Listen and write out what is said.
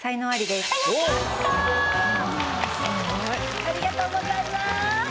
ありがとうございます。